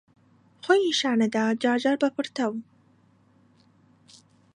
خۆی نیشان ئەدا جارجار بە پڕتەو